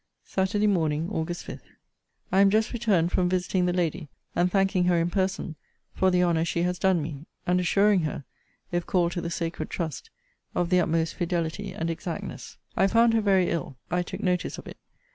SATURDAY MORNING, AUG. 5. I am just returned from visiting the lady, and thanking her in person for the honour she has done me; and assuring her, if called to the sacred trust, of the utmost fidelity and exactness. I found her very ill. I took notice of it.